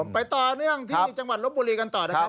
ไปต่อเนื่องที่จังหวัดลบบุรีกันต่อนะครับ